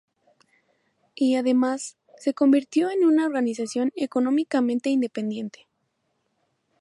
Y, además, se convirtió en una organización económicamente independiente.